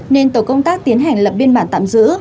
nên tổ công tác tiến hành lập biên bản tạm giữ